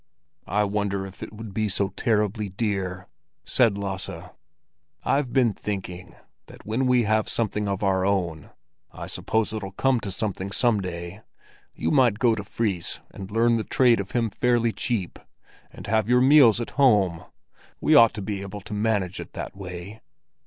"I wonder if it would be so terrible dear," said Lasse. "I've been thinking that when we have something of our own—I suppose it'll come to something some day—you might go to Fris and learn the trade of him fairly cheap, and have your meals at home. We ought to be able to manage it that way."